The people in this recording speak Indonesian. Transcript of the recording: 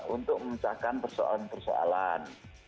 untuk mencahkan persoalan persoalan